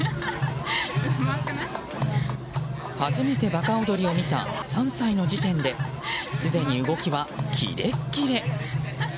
初めて馬鹿踊りを見た３歳の時点ですでに動きはキレッキレ。